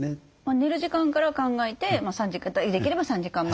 寝る時間から考えてできれば３時間前？